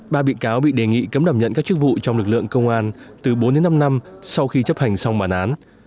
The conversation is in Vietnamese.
ba bị cáo bị đề nghị cấm đảm nhận các chức vụ trong lực lượng công an từ bốn đến năm năm sau khi chấp hành xong bản án